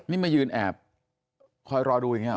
นี่มายืนแอบคอยรอดูอย่างนี้หรอ